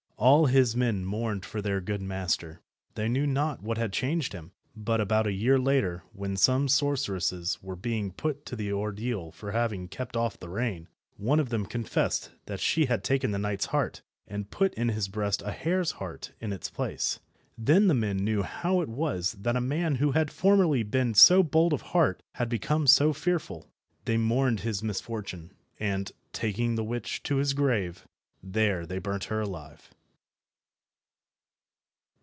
All his men mourned for their good master. They knew not what had changed him, but about a year later, when some sorceresses were being put to the ordeal for having kept off the rain, one of them confessed that she had taken the knight's heart, and put in his breast a hare's heart in its place. Then the men knew how it was that a man who had formerly been so bold of heart had become so fearful. They mourned his misfortune, and, taking the witch to his grave, there they burnt her alive.